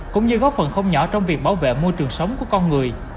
cũng như góp phần không nhỏ trong việc bảo vệ môi trường sống của con người